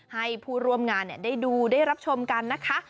ให้ผู้ร่วมงานได้ดูได้รับชมกันนะคะ